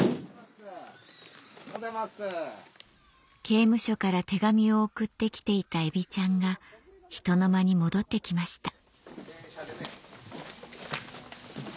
刑務所から手紙を送って来ていたエビちゃんがひとのまに戻って来ました